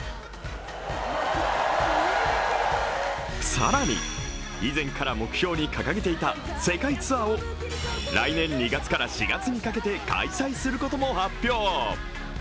更に以前から目標に掲げていた世界ツアーを来年２月から４月にかけて開催することも発表。